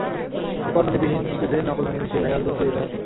এরপর ননিবিহীন দুধে নকল ননি মিশিয়ে ভেজাল দুধ তৈরি করা হতো।